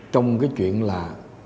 trong cái chuyện là